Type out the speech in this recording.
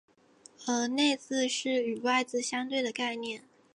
而内字是与外字相对的概念。